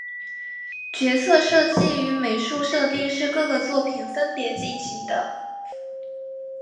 角色设计与美术设定是各个作品分别进行的。